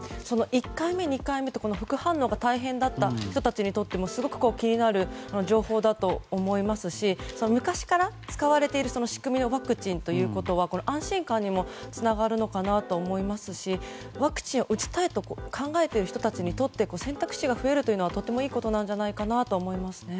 １回目、２回目と副反応が大変だった人たちにとってもすごく気になる情報だと思いますし昔から使われている仕組みのワクチンということは安心感にもつながるのかなと思いますしワクチンを打ちたいと考えている人たちに選択肢が増えるということはとてもいいことだと思いますね。